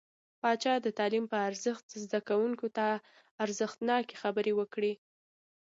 پاچا د تعليم په ارزښت، زده کوونکو ته ارزښتناکې خبرې وکړې .